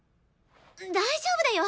大丈夫だよ。